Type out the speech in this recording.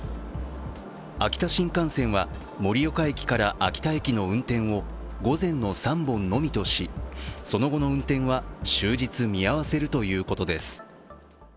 秋田新幹線は、盛岡駅から秋田駅の運転を午前の３本のみとし、その後の運転は終日見合わせるということです。